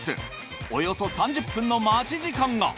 およそ３０分の待ち時間が。